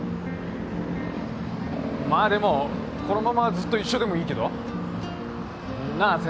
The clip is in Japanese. まあでもこのままずっと一緒でもいいけど。なあ？